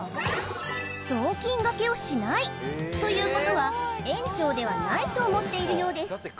雑巾がけをしないということは園長ではないと思っているようです